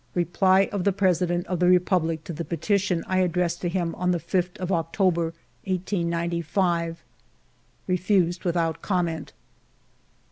Reply of the President of the Republic to the petition I addressed to him on the 5th of October, 1895: —" Refused without comment.'